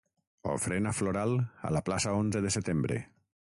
Ofrena floral a la plaça onze de setembre.